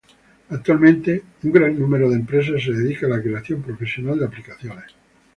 Actualmente, un gran número de empresas se dedica a la creación profesional de aplicaciones.